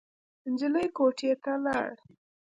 نجلۍ کوټې ته لاړ.